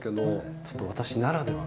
ちょっと私ならではの。